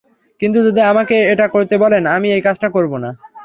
কিন্তু যদি আমাকে এটা করতে বলেন, আমি এই কাজটা করব না।